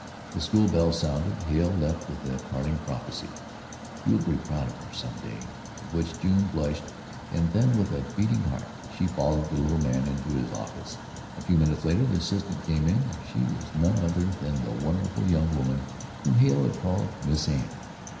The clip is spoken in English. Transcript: The school bell sounded; Hale left with a parting prophecy "You'll be proud of her some day" at which June blushed and then, with a beating heart, she followed the little man into his office. A few minutes later, the assistant came in, and she was none other than the wonderful young woman whom Hale had called Miss Anne.